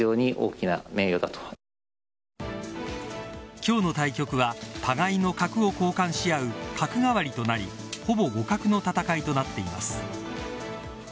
今日の対局は互いの角を交換し合う角換わりとなりほぼ互角の戦いとなっています。